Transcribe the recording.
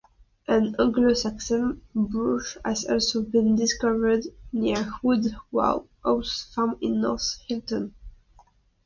An Anglo-Saxon brooch has also been discovered near Wood House Farm in North Hylton.